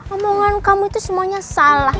omongan kamu itu semuanya salah